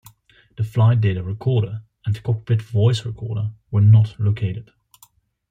The flight data recorder and cockpit voice recorder were not located.